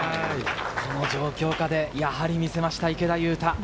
この状況下でやはり見せました、池田勇太。